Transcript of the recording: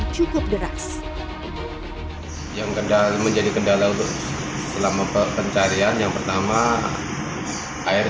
cukup deras yang kendal menjadi kendala untuk selama pencarian yang pertama air